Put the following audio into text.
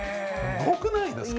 すごくないですか？